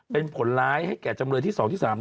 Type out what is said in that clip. เป็นผลร้ายให้แก่จำเลยที่๒ที่๓